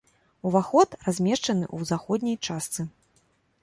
Уваход размешчаны ў заходняй частцы.